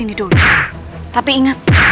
padahal saya pindah